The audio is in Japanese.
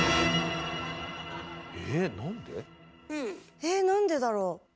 えなんでだろう。